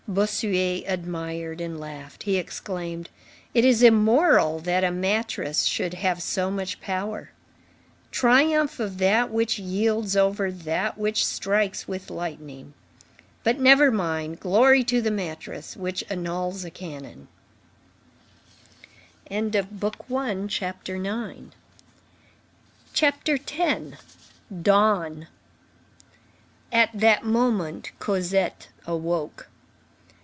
Bossuet admired and laughed. He exclaimed: "It is immoral that a mattress should have so much power. Triumph of that which yields over that which strikes with lightning. But never mind, glory to the mattress which annuls a cannon!" CHAPTER X—DAWN At that moment, Cosette awoke.